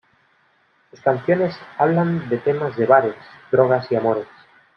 Sus canciones hablan de temas de bares, drogas y amores.